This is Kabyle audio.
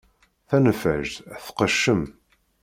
Taneffajt tqeccem.